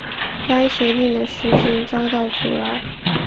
该协定的实行遭到阻挠。